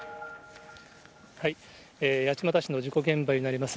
八街市の事故現場になります。